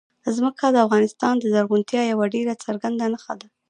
ځمکه د افغانستان د زرغونتیا یوه ډېره څرګنده نښه ده.